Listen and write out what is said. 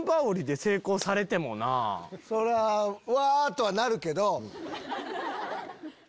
そりゃわ！とはなるけど。